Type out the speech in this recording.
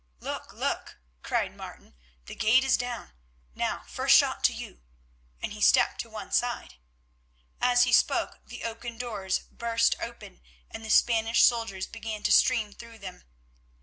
"Look! look!" cried Martin. "The gate is down. Now, first shot to you," and he stepped to one side. As he spoke the oaken doors burst open and the Spanish soldiers began to stream through them.